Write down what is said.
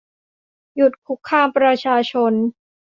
หยุดคุกคามประชาชน